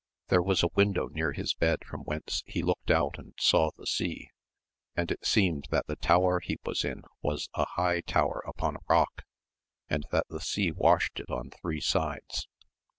There was a window near his bed from whence he looked out and saw the sea, and it seemed that the tower he was in was a high tower upon a rock, and that the sea washed it on three sides.